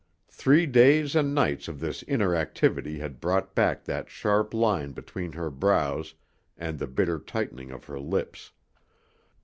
Three days and nights of this inner activity had brought back that sharp line between her brows and the bitter tightening of her lips.